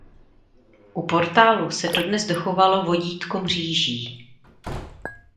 U portálu se dodnes dochovalo vodítko mříží.